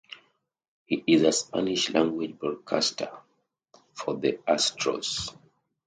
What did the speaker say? He is a Spanish-language broadcaster for the Astros.